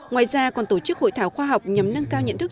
ngoài ra còn tổ chức hội thảo khoa học nhằm nâng cao nhận thức